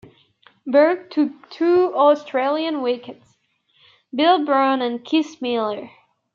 Burke took two Australian wickets - Bill Brown and Keith Miller.